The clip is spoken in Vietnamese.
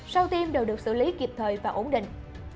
sau tiêm đều được xử lý kịp thời và ổn định